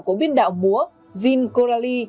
của biên đạo múa jean coralie